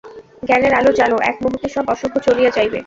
জ্ঞানের আলো জ্বালো, এক মুহূর্তে সব অশুভ চলিয়া যাইবে।